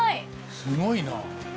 すごいなあ。